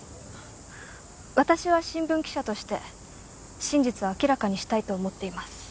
私は新聞記者として真実を明らかにしたいと思っています。